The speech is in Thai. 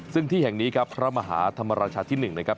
ซึ่งที่แห่งนี้ครับพระมหาธรรมราชาที่๑นะครับ